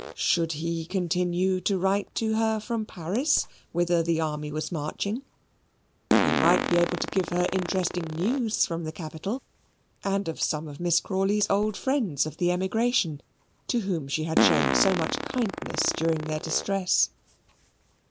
Should he continue to write to her from Paris, whither the army was marching? He might be able to give her interesting news from that capital, and of some of Miss Crawley's old friends of the emigration, to whom she had shown so much kindness during their distress.